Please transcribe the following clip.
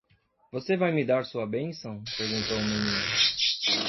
"Você vai me dar sua bênção?", perguntou o menino.